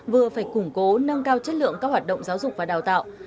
vừa phải củng cố nâng cao chất lượng các hoạt động giáo dục và đào tạo